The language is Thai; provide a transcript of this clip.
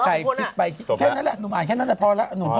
เขาเรียกกันอย่างนี้